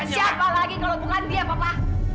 siapa lagi kalau bukan dia papa